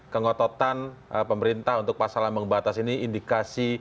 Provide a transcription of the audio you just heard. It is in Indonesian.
kengototan pemerintah untuk pasal ambang batas ini indikasi